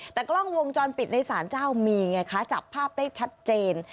แต่กล้องวงจรปิดในสารเจ้ามีไงคะจับภาพได้ชัดเจน